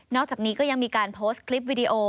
อกจากนี้ก็ยังมีการโพสต์คลิปวิดีโอ